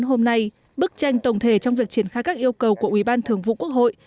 hôm nay bức tranh tổng thể trong việc triển khai các yêu cầu của ủy ban thường vụ quốc hội